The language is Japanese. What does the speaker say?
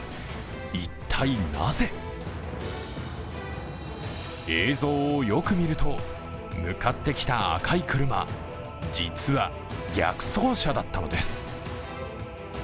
一体なぜ？映像をよく見ると、向かってきた赤い車、実は逆走車だったのです。